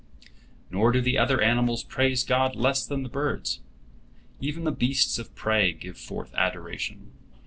Nor do the other animals praise God less than the birds. Even the beasts of prey give forth adoration.